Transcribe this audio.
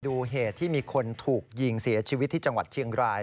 เหตุที่มีคนถูกยิงเสียชีวิตที่จังหวัดเชียงราย